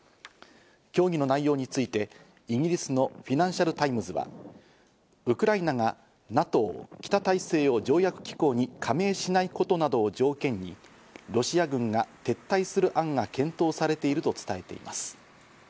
協議の内容についてイギリスのフィナンシャルタイムズはウクライナがＮＡＴＯ＝北大西洋条約機構に加盟しないことなどを条件にロシア軍が撤退する案が検討されていると伝えています。